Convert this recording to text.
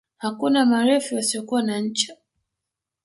Hakuna marefu yasiyokuwa na ncha